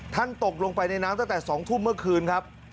ตกลงไปในน้ำตั้งแต่๒ทุ่มเมื่อคืนครับ